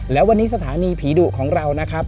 และวันนี้สถานีผีดุของเรานะครับ